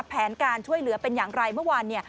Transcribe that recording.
แผนการช่วยเหลือเป็นอย่างไรเมื่อวานเนี่ย